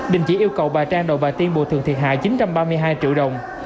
đình chỉ yêu cầu bà trang đầu bà tiên bồi thường thiệt hại chín trăm ba mươi hai triệu đồng